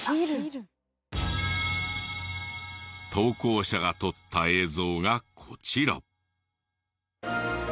投稿者が撮った映像がこちら。